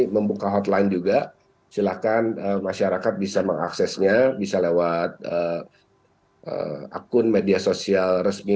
membuka hotline juga silakan masyarakat bisa mengaksesnya bisa lewat akun media sosial resmi